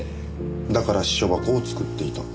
だから私書箱を作っていた。